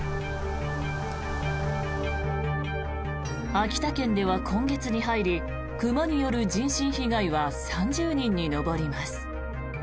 秋田県では今月に入り熊による人身被害は３０人に上ります。